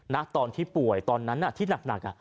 ตอนที่ป่วยตอนนั้นที่หนัก